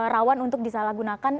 rawan untuk disalahgunakan